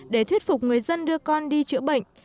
để thuyết phục người dân đưa con đi chữa bệnh